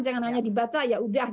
jangan hanya dibaca yaudah